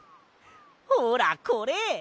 ほらこれ！